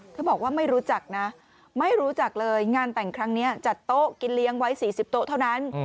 บอกว่าไม่รู้จักนะไม่รู้จักเลยงานแต่งครั้งนี้จัดโต๊ะกินเลี้ยงไว้๔๐โต๊ะเท่านั้น